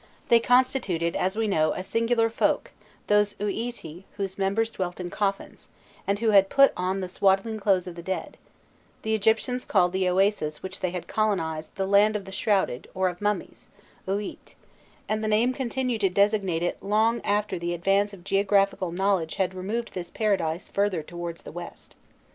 They constituted, as we know, a singular folk, those uiti whose members dwelt in coffins, and who had put on the swaddling clothes of the dead; the Egyptians called the Oasis which they had colonised, the land of the shrouded, or of mummies, ûît, and the name continued to designate it long after the advance of geographical knowledge had removed this paradise further towards the west.